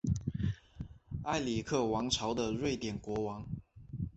埃里克王朝的瑞典国王。